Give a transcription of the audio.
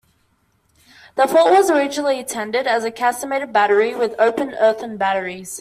The fort was originally intended as a casemated battery with open earthen batteries.